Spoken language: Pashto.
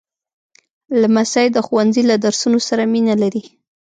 لمسی د ښوونځي له درسونو سره مینه لري.